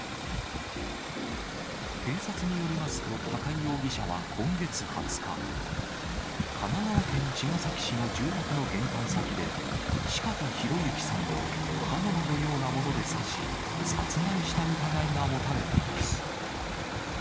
警察によりますと、高井容疑者は今月２０日、神奈川県茅ヶ崎市の住宅の玄関先で、四方洋行さんを刃物のようなもので刺し、殺害した疑いが持たれています。